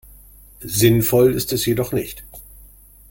Sinnvoll ist es jedoch nicht.